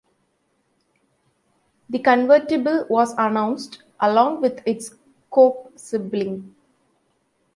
The convertible was announced along with its coupe sibling.